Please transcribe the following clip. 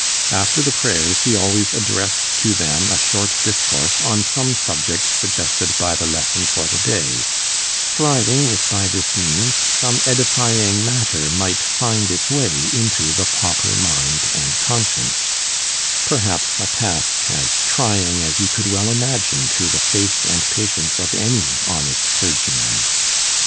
After the prayers he always addressed to them a short discourse on some subject suggested by the lesson for the day, striving if by this means some edifying matter might find its way into the pauper mind and conscience perhaps a task as trying as you could well imagine to the faith and patience of any honest clergyman.